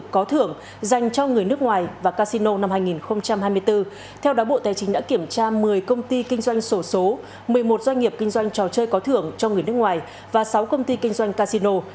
bộ tài chính đã ban hành quyết định số bốn trăm bảy mươi về kế hoạch kiểm tra hoạt động kinh doanh sổ số một mươi một doanh nghiệp kinh doanh trò chơi có thưởng cho người nước ngoài và sáu công ty kinh doanh casino